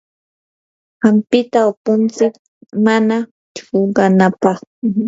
hampita upuntsik mana chuqanapaq.